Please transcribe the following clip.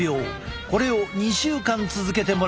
これを２週間続けてもらった。